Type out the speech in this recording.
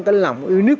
cái lòng yêu nước